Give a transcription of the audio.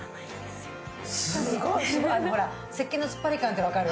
せっけんの突っ張り感って分かる？